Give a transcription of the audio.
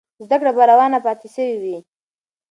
زده کړه به روانه پاتې سوې وي.